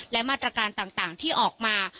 และมาตรการต่างที่ออกมา